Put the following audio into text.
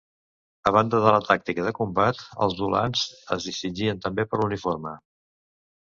A banda de la tàctica de combat, els ulans es distingien també per l'uniforme.